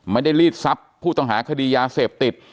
ลีดทรัพย์ผู้ต้องหาคดียาเสพติด